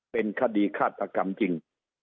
เป็นคดีฆาตกรรมจริง